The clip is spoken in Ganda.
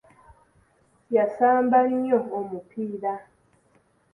Yaasamba nnyo omupiira.